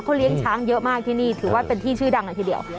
เลี้ยงช้างเยอะมากที่นี่ถือว่าเป็นที่ชื่อดังเลยทีเดียว